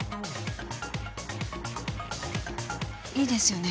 いいですよね？